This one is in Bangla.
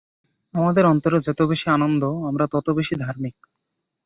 আমাদের অন্তরে যত বেশী আনন্দ, আমরা তত বেশী ধার্মিক।